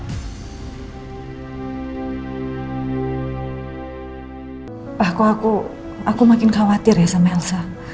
pak kok aku makin khawatir ya sama elsa